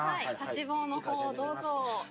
◆差し棒のほうをぞうぞ。